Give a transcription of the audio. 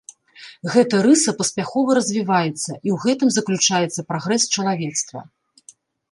Гэта рыса паспяхова развіваецца, і ў гэтым заключаецца прагрэс чалавецтва.